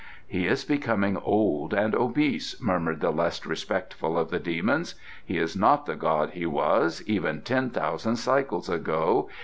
"He is becoming old and obese," murmured the less respectful of the demons. "He is not the god he was, even ten thousand cycles ago.